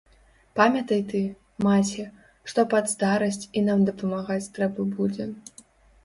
Памятай ты, маці, што пад старасць і нам дапамагаць трэба будзе.